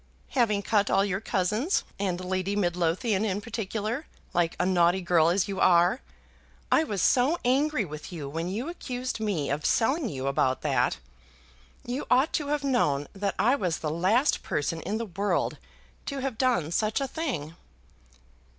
"Having cut all your cousins, and Lady Midlothian in particular, like a naughty girl as you are. I was so angry with you when you accused me of selling you about that. You ought to have known that I was the last person in the world to have done such a thing."